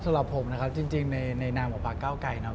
สำหรับผมนะครับจริงในน้ำกับปากเก้ากาวไกร